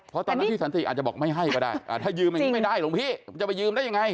เพราะตอนนั้นพี่สันติอาจจะบอกไม่ให้ก็ได้ถ้ายืมอย่างนี้ไม่ได้หลวงพี่จะไปยืมได้ยังไง